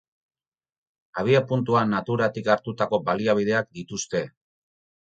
Abiapuntua naturatik hartutako baliabideak dituzte.